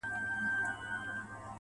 o ه ستا د سترگو احترام نه دی، نو څه دی.